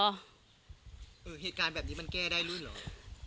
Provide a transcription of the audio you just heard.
เหตุการณ์แบบนี้มันแก้ได้ด้วยเหรอ